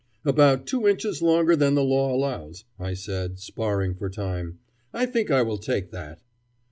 "About two inches longer than the law allows," I said, sparring for time. "I think I will take that."